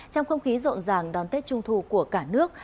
trong không khí rộn ràng đón tết trung thu của cả nước